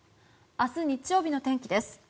明日、日曜日の天気です。